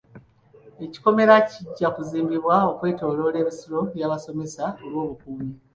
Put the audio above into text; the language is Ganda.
Ekikomera kijja kuzimbibwa okwetooloola ebisulo by'abasomesa olw'obukuumi.